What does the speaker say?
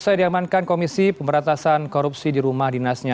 saya diamankan komisi pemberatasan korupsi di rumah dinasnya